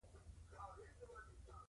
بیا نږدې دولس تنه، بیا نور دولس تنه.